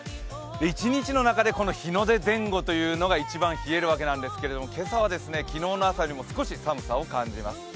一日の中で日の出前後というのが１番冷えるわけですけれども、今朝は昨日の朝よりも少し寒さを感じます。